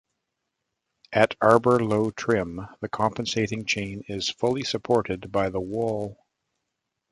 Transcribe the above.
At arbor low trim, the compensating chain is fully supported by the wall.